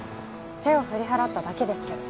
手を振り払っただけですけど。